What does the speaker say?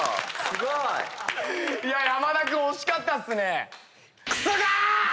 すごい！山田君惜しかったっすね。